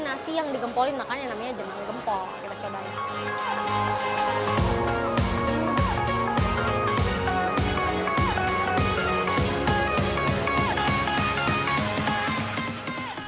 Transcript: nasi yang digempolin makanya namanya jenang gempol mencoba